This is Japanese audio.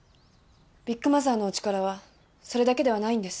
ビッグマザーのお力はそれだけではないんです。